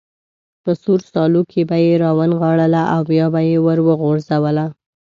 په سور سالو کې به یې را ونغاړله او بیا به یې وروغورځوله.